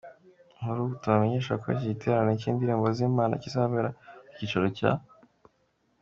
nkuru tubamenyeshako iki giterane cyindirimbo zImana kizabera ku cyicaro cya.